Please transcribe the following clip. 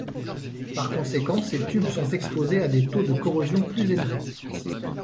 Par conséquent, ces tubes sont exposés à des taux de corrosion plus élevés.